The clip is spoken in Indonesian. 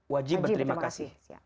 wajib berterima kasih